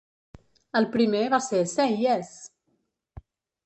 El primer va ser "Say Yes!"